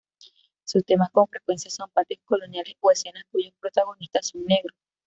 Sus temas con frecuencia son patios coloniales o escenas cuyos protagonistas son negros.